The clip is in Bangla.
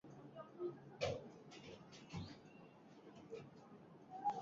সে ঠিক বলেছে, এটা দাপ্তরিক ভাবে অনুমোদিত।